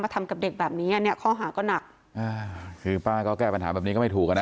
ทำกับเด็กแบบนี้อ่ะเนี้ยข้อหาก็หนักอ่าคือป้าก็แก้ปัญหาแบบนี้ก็ไม่ถูกอ่ะนะ